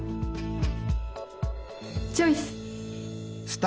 チョイス！